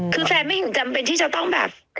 คือแฟนไม่ถึงจำเป็นที่จะต้องแบบ